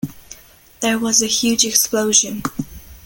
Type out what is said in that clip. There was a huge explosion.